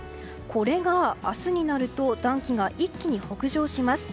これが、明日になると暖気が一気に北上します。